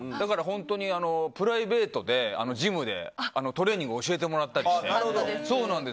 本当に、プライベートでジムでトレーニングを教えてもらったりして。